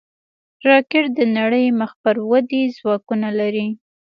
راکټ د نړۍ مخ پر ودې ځواکونه لري